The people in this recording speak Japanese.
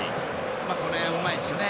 この辺、うまいですよね。